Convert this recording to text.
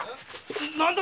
何だ？